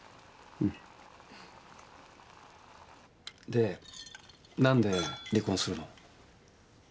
で何で離婚するの？